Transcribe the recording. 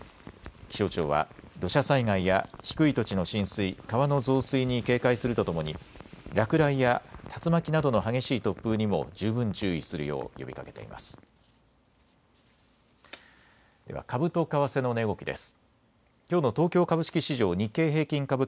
気象庁は土砂災害や低い土地の浸水、川の増水に警戒するとともに落雷や竜巻などの激しい突風にも十分注意するよう呼びかけています。